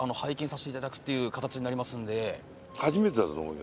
初めてだと思うよ。